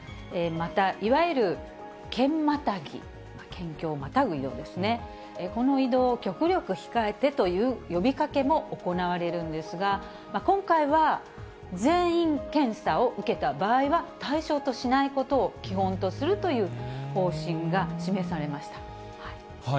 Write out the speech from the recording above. また、いわゆる県またぎ、県境をまたぐ移動ですね、この移動を極力控えてという呼びかけも行われるんですが、今回は全員検査を受けた場合は、対象としないことを基本とするという方針が示されました。